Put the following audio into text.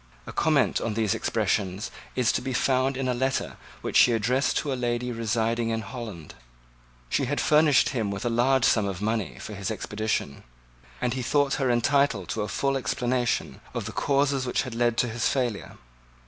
A comment on these expressions is to be found in a letter which he addressed to a lady residing in Holland. She had furnished him with a large sum of money for his expedition, and he thought her entitled to a full explanation of the causes which had led to his failure.